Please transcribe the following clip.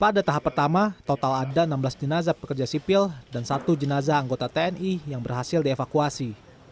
pada tahap pertama total ada enam belas jenazah pekerja sipil dan satu jenazah anggota tni yang berhasil dievakuasi